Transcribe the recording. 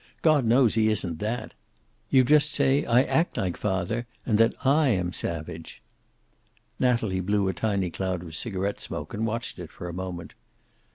God knows he isn't that. You just say I act like father, and that I am savage." Natalie blew a tiny cloud of cigaret smoke, and watched it for a moment.